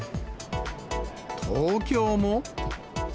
東京も。